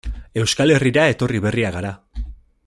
Euskal Herrira etorri berriak gara.